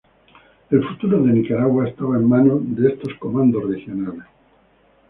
El futuro de Nicaragua estaba en mano de estos comandos regionales.